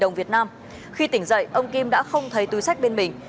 hai hai trăm linh đồng việt nam khi tỉnh dậy ông kim đã không thấy túi sách bên mình